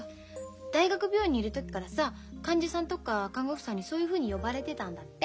大学病院にいる時からさ患者さんとか看護婦さんにそういうふうに呼ばれてたんだって。